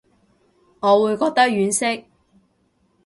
我會覺得婉惜